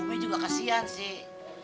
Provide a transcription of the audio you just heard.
umi juga kasian sih